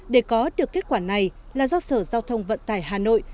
để có được kết quả này là do sở giao thông vận tải hà nội